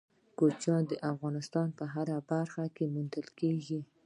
کوچیان د افغانستان په هره برخه کې موندل کېږي.